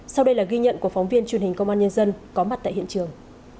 sau đây là ghi nhận của phóng viên truyền hình công an nhân dân có mặt tại hiện trường